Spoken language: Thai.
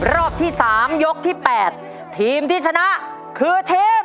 รอบที่๓ยกที่๘ทีมที่ชนะคือทีม